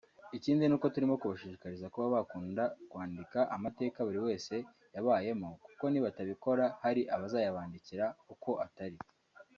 Ikindi ni uko turimo kubashishikariza kuba bakunda kwandika amateka buri wese yabayemo kuko nibatabikora hari abazayabandikira uko atari